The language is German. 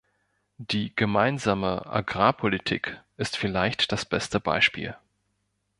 Die Gemeinsame Agrarpolitik ist vielleicht das beste Beispiel.